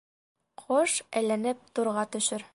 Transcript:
Ҡош әйләнеп турға төшөр.